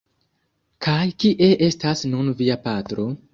Kaj kie estas nun via patro?